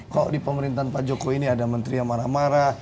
kok di pemerintahan pak jokowi ini ada menteri yang marah marah